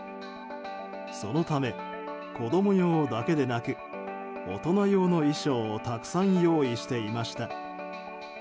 そのため子供用だけでなく大人用の衣装をたくさん用意していました。